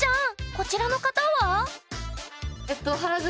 こちらの方は？